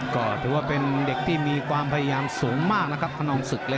ก็ถือว่าเป็นเด็กที่มีความพยายามสูงมากนะครับคนนองศึกเลย